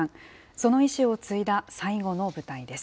その遺志を継いだ最後の舞台です。